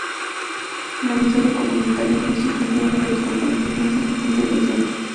La emisora comunitaria constituye uno de los componentes más importantes del Centro.